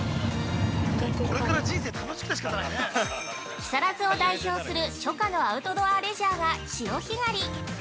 ◆木更津を代表する初夏のアウトドアレジャーが潮干狩り。